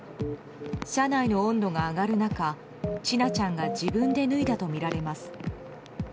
車内の温度が上がる中千奈ちゃんが自分で脱いだとみられます。